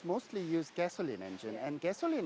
mobil pasang terutama menggunakan mesin bergas